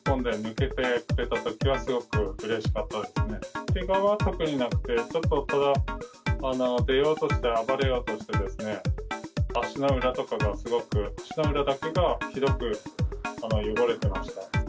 けがは特になくて、ちょっと出ようとして暴れようとして、足の裏とかがすごく、足の裏だけがひどく汚れていました。